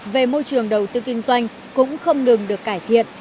về môi trường đầu tư kinh doanh cũng không ngừng được cải thiện